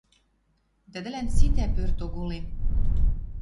Тӹдӹлӓн ситӓ пӧрт оголем.